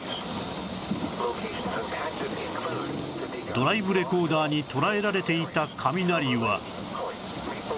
ドライブレコーダーに捉えられていた雷は